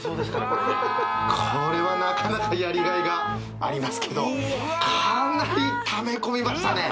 これこれはなかなかやりがいがありますけどかなりためこみましたね